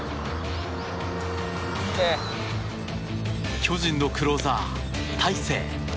巨人のクローザー、大勢。